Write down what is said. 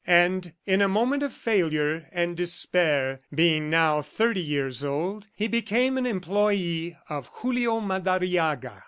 And in a moment of failure and despair, being now thirty years old, he became an employee of Julio Madariaga.